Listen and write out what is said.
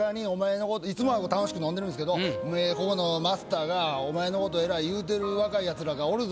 いつもは楽しく飲んでるんですけどここのマスターが「お前のことえらい言うてる若いヤツらがおるぞ。